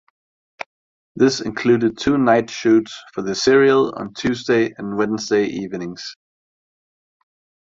This included two night shoots for the serial on the Tuesday and Wednesday evenings.